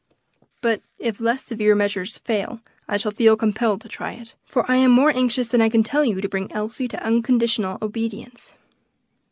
But if less severe measures fail, I shall feel compelled to try it, for I am more anxious than I can tell you to bring Elsie to unconditional obedience."